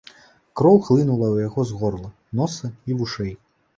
Кроў хлынула ў яго з горла, носа і вушэй.